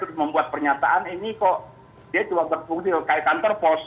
terus membuat pernyataan ini kok dia cuma berfungsi kayak kantor pos